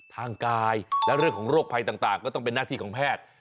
ทางกายและเรื่องของโรคภัยต่างก็ต้องเป็นหน้าที่ของแพทย์